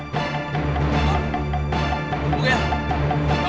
jangan menjaga rumah lu